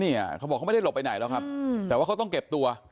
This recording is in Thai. เขาบอกเขาไม่ได้หลบไปไหนแล้วครับแต่ว่าเขาต้องเก็บตัว